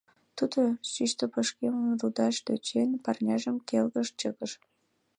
Тудо, шӱштӧ пышкемым рудаш тӧчен, парняжым келгыш чыкыш.